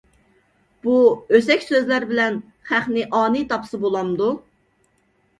بۇ ئۆسەك سۆزلەر بىلەن خەقنى ئانىي تاپسا بولامدۇ؟